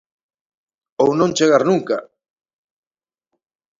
Ou non chegar nunca.